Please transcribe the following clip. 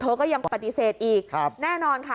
ก็ยังปฏิเสธอีกแน่นอนค่ะ